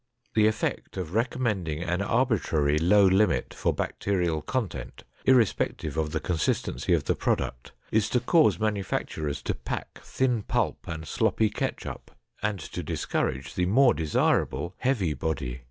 The effect of recommending an arbitrary low limit for bacterial content, irrespective of the consistency of the product, is to cause manufacturers to pack thin pulp and sloppy ketchup, and to discourage the more desirable heavy body.